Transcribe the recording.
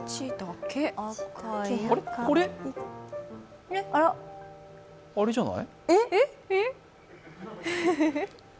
これあれじゃない？